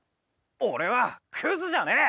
「俺はクズじゃねえ！」